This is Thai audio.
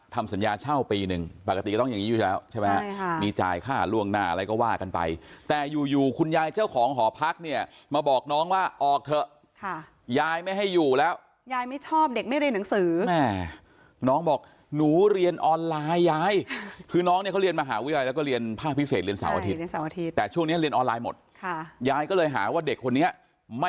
ทำสัญญาเช่าปีหนึ่งปกตีก็ต้องอย่างงี้อยู่แล้วใช่ไหม